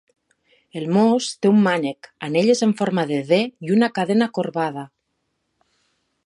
El mos té un mànec, anelles en forma de D i una cadena corbada.